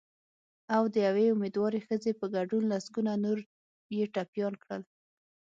او د یوې امېندوارې ښځې په ګډون لسګونه نور یې ټپیان کړل